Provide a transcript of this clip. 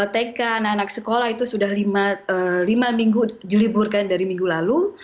tk anak anak sekolah itu sudah lima minggu diliburkan dari minggu lalu